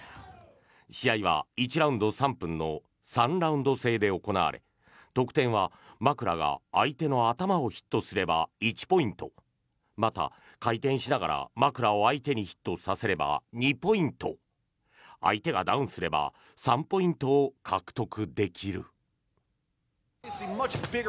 試合は１ラウンド３分の３ラウンド制で行われ得点は枕が相手の頭をヒットすれば１ポイントまた、回転しながら枕を相手にヒットさせれば２ポイント相手がダウンすれば３ポイントを獲得できる。